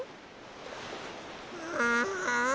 ああ。